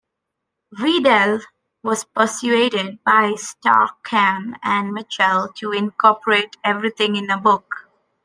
Weddell was persuaded by Strachan and Mitchell to incorporate everything in a book.